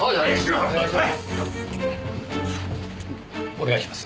お願いします。